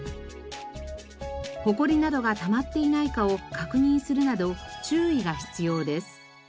埃などがたまっていないかを確認するなど注意が必要です。